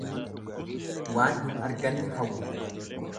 Waan hin arganne hawwa.